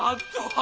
あ！